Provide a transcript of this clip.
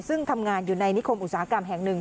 ซึ่งทำงานอยู่ในนิคมอุตสาหกรรมแห่งหนึ่ง